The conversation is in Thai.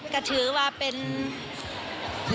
ก็ถือมากนะครับ